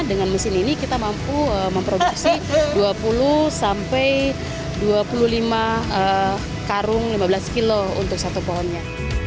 dengan mesin ini kita mampu memproduksi dua puluh sampai dua puluh lima karung lima belas kilo untuk satu pohonnya